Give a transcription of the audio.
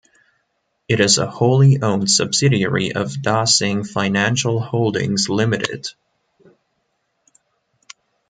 It is a wholly owned subsidiary of Dah Sing Financial Holdings Limited.